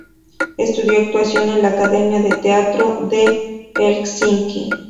Estudió actuación en la Academia de Teatro de Helsinki.